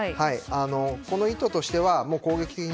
この意図としては攻撃的に。